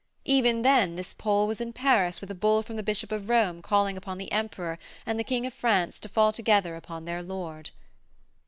Even then this Pole was in Paris with a bull from the Bishop of Rome calling upon the Emperor and the King of France to fall together upon their lord.